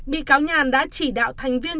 bị cáo nhàn đã chỉ đạo thành viên